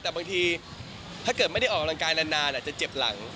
แต่บางทีถ้าเกิดไม่ได้ออกกำลังกายนานอาจจะเจ็บหลัง